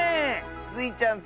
スイちゃん